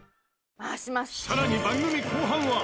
更に番組後半は